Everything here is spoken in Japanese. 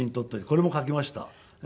これも描きました。